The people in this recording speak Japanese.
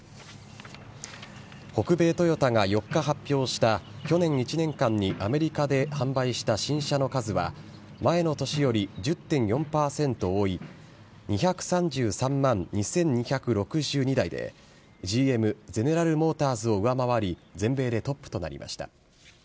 北米トヨタが４日発表した、去年１年間にアメリカで販売した新車の数は、前の年より１０．４％多い２３３万２２６２台で、ＧＭ・ゼネラル・モーターズを上回り、全米でトップとなりました。